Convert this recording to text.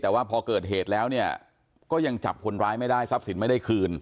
แต่ว่าพอเกิดเหตุแล้วเนี่ยก็ยังจับคนร้ายไม่ได้ทรัพย์สินไม่ได้คืน